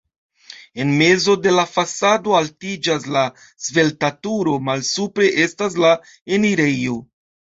En mezo de la fasado altiĝas la svelta turo, malsupre estas la enirejo.